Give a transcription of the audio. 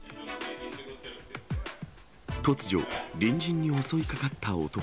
突如、隣人に襲いかかった男。